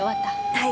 はい。